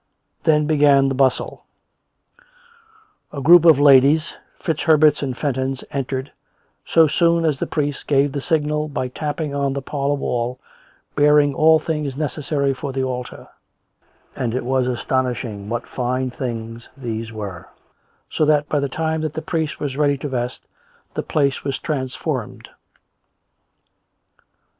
Then began the bustle, 92 I COME RACK! COME ROPE! 93 A group of ladies, FitzHerberts and Fentons, entered, so soon as the priest gave the signal by tapping on the parlour wall, bearing all things necessary for the altar; and it was astonishing what fine things these were; so that by the time that the priest was ready to vest, the place was trans formed.